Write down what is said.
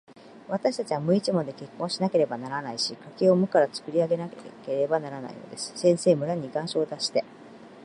わたしたちは無一文で結婚しなければならないし、家計を無からつくり上げなければならないのです。先生、村に願書を出して、